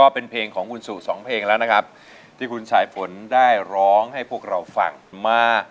เป็นเพลงที่สองครับ